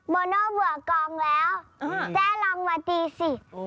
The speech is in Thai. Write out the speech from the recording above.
โมโน่เบื่อกองแล้วเจ๊ลองมาตีสิ